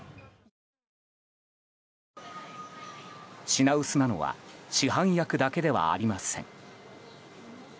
品薄なのは市販薬だけではありません。